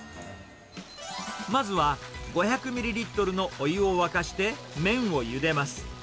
まずは、５００ミリリットルのお湯を沸かして、麺をゆでます。